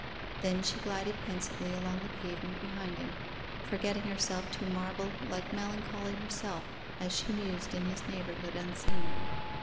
Then she glided pensively along the pavement behind him, forgetting herself to marble like Melancholy herself as she mused in his neighbourhood unseen.